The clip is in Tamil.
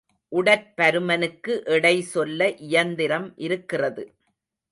உடற்பருமனுக்கு எடை சொல்ல இயந்திரம் இருக்கிறது.